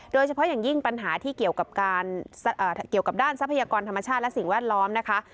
โดยเฉพาะอย่างยิ่งปัญหาที่เกี่ยวกับการเกี่ยวกับด้านทรัพยากรธรรมชาติและสิ่งแวดล้อมนะคะ